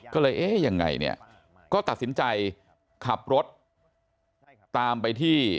ก็เลยเอ๊ะยังไงเนี่ยก็ตัดสินใจขับรถตามไปที่